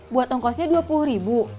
buat ongkosnya dua puluh ribu